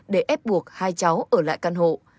để ép buộc hai cháu ở lại căn hộ